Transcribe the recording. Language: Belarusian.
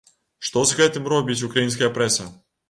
Што з гэтым робіць украінская прэса?